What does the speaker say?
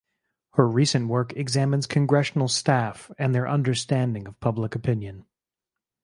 Her recent work examines Congressional staff and their understanding of public opinion.